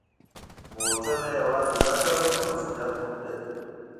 موټر نه یوازې ګټه، بلکه مسؤلیت هم لري.